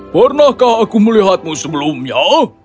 pernahkah aku melihatmu sebelumnya